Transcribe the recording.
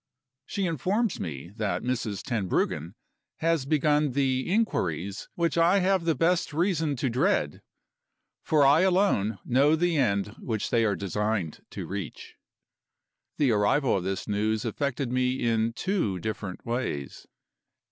She informs me that Mrs. Tenbruggen has begun the inquiries which I have the best reason to dread for I alone know the end which they are designed to reach. The arrival of this news affected me in two different ways.